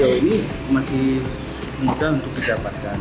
sejauh ini masih mudah untuk didapatkan